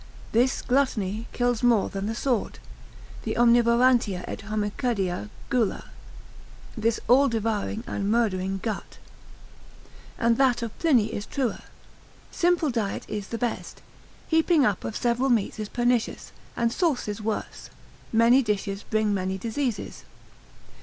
This gluttony kills more than the sword, this omnivorantia et homicida gula, this all devouring and murdering gut. And that of Pliny is truer, Simple diet is the best; heaping up of several meats is pernicious, and sauces worse; many dishes bring many diseases.